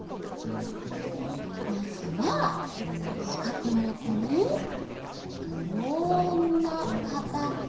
まずはしかくのよこにこんなかたち。